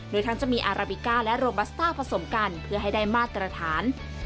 โดยทั้งจะมีอาราบิก้าและโรบัสต้าผสมกันเพื่อให้ได้มาตรฐาน